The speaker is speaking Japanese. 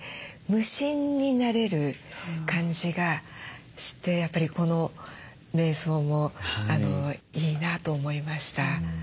無心になれる感じがしてこのめい想もいいなと思いました。